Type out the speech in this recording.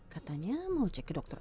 katanya mau cek ke dokter